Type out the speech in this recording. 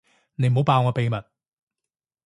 你唔好爆我秘密